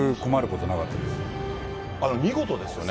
見事ですよね。